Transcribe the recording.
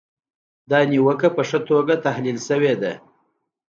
دا نیوکه په ښه توګه تحلیل شوې ده.